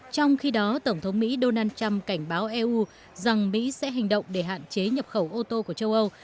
trong khi đó tổng thống mỹ donald trump cảnh báo eu rằng mỹ sẽ hành động để hạn chế nhập khẩu ô tô của châu âu